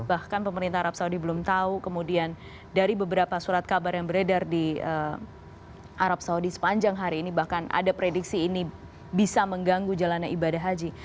bahkan pemerintah arab saudi belum tahu kemudian dari beberapa surat kabar yang beredar di arab saudi sepanjang hari ini bahkan ada prediksi ini bisa mengganggu jalannya ibadah haji